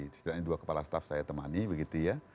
di situ ada dua kepala staff saya temani begitu ya